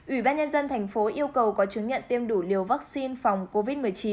ủy ban nhân dân thành phố yêu cầu có chứng nhận tiêm đủ liều vaccine phòng covid một mươi chín